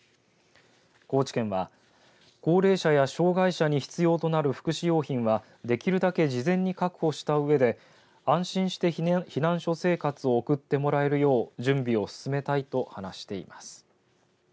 高知県は高齢者や障害者に必要となる福祉用品は、できるだけ事前に確保したうえで安心して避難所生活を送ってもらえるよう準備を進めたいと話しています。